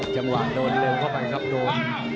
จังหว่าโดนเริงเข้ามาครับโดน